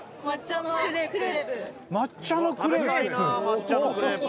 抹茶のクレープ。